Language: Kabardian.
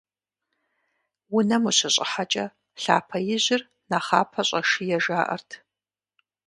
Унэм ущыщӏыхьэкӏэ лъапэ ижьыр нэхъапэ щӏэшие жаӏэрт.